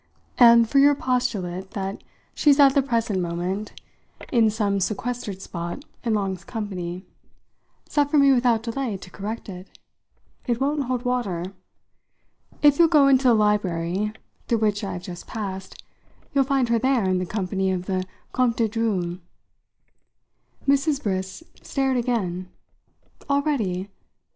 And for your postulate that she's at the present moment in some sequestered spot in Long's company, suffer me without delay to correct it. It won't hold water. If you'll go into the library, through which I have just passed, you'll find her there in the company of the Comte de Dreuil." Mrs. Briss stared again. "Already?